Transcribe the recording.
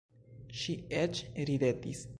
Ŝi eĉ ridetis.